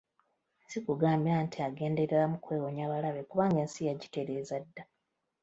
Si kugamba nti agendereramu kwewonya balabe, kubanga ensi yagitereeza dda.